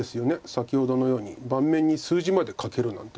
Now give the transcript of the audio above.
先ほどのように盤面に数字まで書けるなんて。